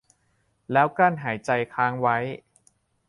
แล้วกลั้นหายใจค้างไว้